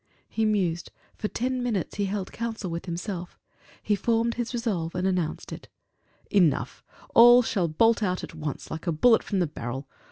He mused; for ten minutes he held counsel with himself: he formed his resolve, and announced it: "Enough; all shall bolt out at once, like a bullet from the barrel.